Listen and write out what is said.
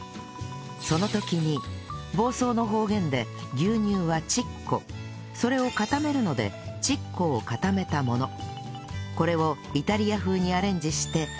その時に房総の方言で牛乳は「ちっこ」それを固めるので「ちっこを固めたもの」これをイタリア風にアレンジして